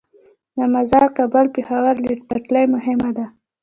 د مزار - کابل - پیښور ریل پټلۍ مهمه ده